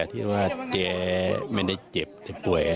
ที่ว่าเจ๊ไม่ได้เจ็บแต่ป่วย